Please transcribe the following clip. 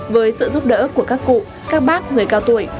với sự giúp đỡ của các cụ các bác người cao tuổi